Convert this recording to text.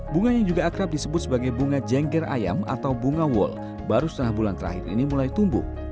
bunga yang juga akrab disebut sebagai bunga jengger ayam atau bunga wol baru setengah bulan terakhir ini mulai tumbuh